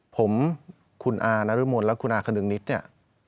ผมคุณอานรมนและคุณอาคนึงนิดเนี่ย